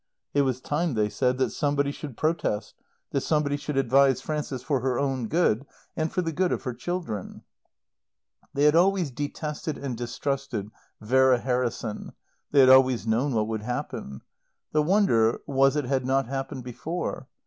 It was time, they said, that somebody should protest, that somebody should advise Frances for her own good and for the good of her children. They had always detested and distrusted Vera Harrison; they had always known what would happen. The wonder was it had not happened before.